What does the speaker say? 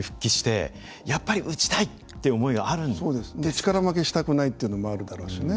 力負けしたくないっていうのもあるだろうしね。